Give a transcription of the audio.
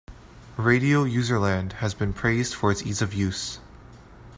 Radio UserLand has been praised for its ease of use.